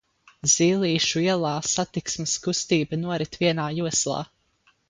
Zīlīšu ielā satiksmes kustība norit vienā joslā.